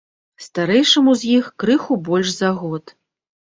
Старэйшаму з іх крыху больш за год.